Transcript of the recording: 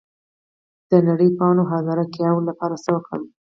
د نرۍ پاڼو هرزه ګیاوو لپاره څه وکړم؟